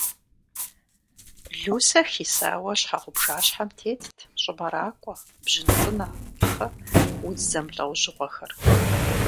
Лусэ хисауэ щхьэгъубжащхьэм тетт щӏымэракӏуэ, бжьын цӏынэ, пхъы, удз зэмылӏэужьыгъуэхэр.